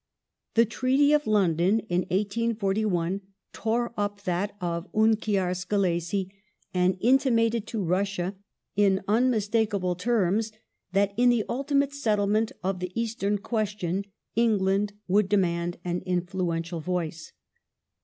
The Treaty of London (1841) tore up that of Unkiar Skelessi and intimated to Russia in unmistakable terms that in the ultimate settlement of the Eastern question England would demand an influential voice.